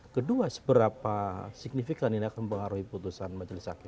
kedua seberapa signifikan ini akan mempengaruhi putusan majelis hakim